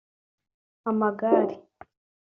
Amagare